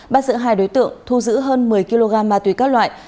bắt giữ hai đối tượng thu giữ hơn một mươi kg ma túy các loại